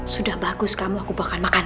sudah bagus kamu aku membawakan makanan